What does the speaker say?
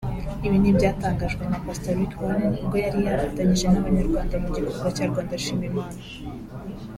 Ibi ni ibyatangajwe na pastor Rick Warren ubwo yari yifatanije n’abanyarwa mu gikorwa cya Rwanda Shima Imana